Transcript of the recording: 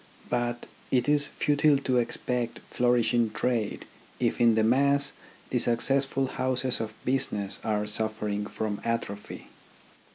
But it is futile to expect flourishing trade, if in the mass the successful houses of business are suffering from atrophy.